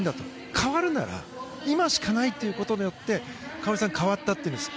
変わるなら今しかないと思うことによって花織さんは変わったというんです。